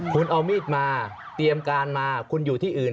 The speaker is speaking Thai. คุณเอามีดมาเตรียมการมาคุณอยู่ที่อื่น